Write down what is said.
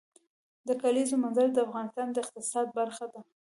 د کلیزو منظره د افغانستان د اقتصاد برخه ده.